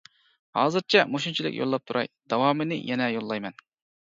ھازىرچە مۇشۇنچىلىك يوللاپ تۇراي، داۋامىنى يەنە يوللايمەن.